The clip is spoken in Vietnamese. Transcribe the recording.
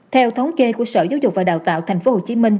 theo thống kê của sở giáo dục và đào tạo tp hcm